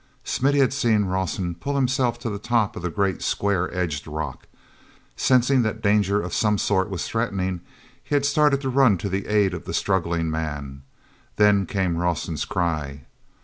Smithy had seen Rawson pull himself to the top of the great square edged rock. Sensing that danger of some sort was threatening, he had started to run to the aid of the struggling man. Then came Rawson's cry.